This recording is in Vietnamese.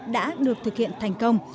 đã được thực hiện thành công